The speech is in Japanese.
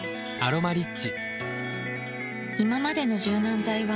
「アロマリッチ」